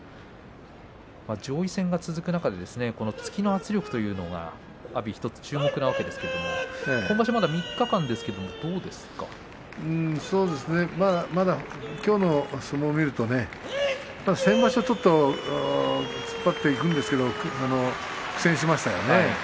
上位戦が続く中で突きの圧力というのは阿炎、１つ注目なわけですけれどもまたきょうの相撲を見るとね先場所ちょっと突っ張っていくんですけれど苦戦しましたよね。